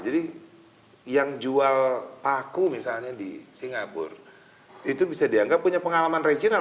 jadi yang jual paku misalnya di singapura itu bisa dianggap punya pengalaman regional